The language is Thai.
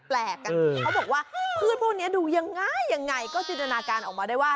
เขาบอกว่าพืชพวกนี้ดูยังไงก็สินดนาการออกมาได้ว่า